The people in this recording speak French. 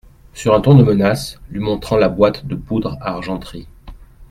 Sur un ton de menace, lui montrant la boîte de poudre à argenterie.